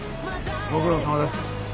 ご苦労さまです。